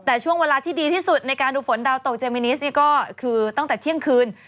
แต่ช่วงเวลาที่ดีที่สุดในการดูฝนดาวตกเจมินิสนี่ก็คือตั้งแต่เที่ยงคืน